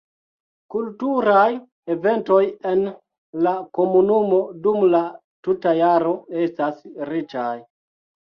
Kulturaj eventoj en la komunumo dum la tuta jaro estas riĉaj.